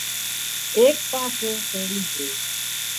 ايڪ پاسي تيڙِي جھو